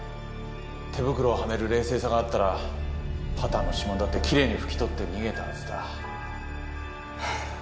手袋をはめる冷静さがあったらパターの指紋だって奇麗にふき取って逃げたはずだ。